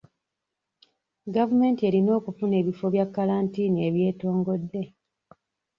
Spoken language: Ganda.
Gavumenti erina okufuna ebifo bya kalantiini ebyetongodde.